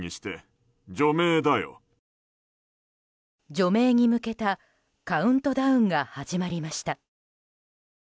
除名に向けたカウントダウンが始まりました。